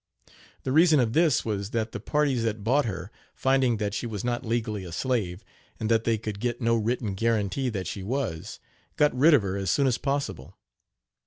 The reason of this was that the parties that bought her, finding that she was not legally a slave, and that they could get no written guarantee that she was, got rid of her as soon as possible.